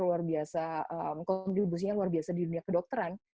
luar biasa kontribusinya luar biasa di dunia kedokteran